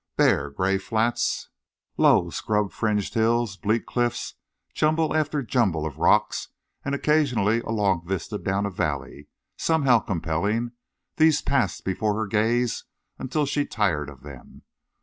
Bare gray flats, low scrub fringed hills, bleak cliffs, jumble after jumble of rocks, and occasionally a long vista down a valley, somehow compelling—these passed before her gaze until she tired of them.